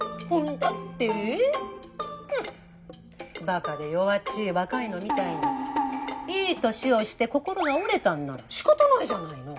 バカで弱っちい若いのみたいにいい年をして心が折れたんなら仕方ないじゃないの。